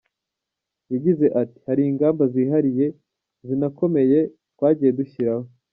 Yagize ati“Hari ingamba zihariye zinakomeye twagiye dushyiraho.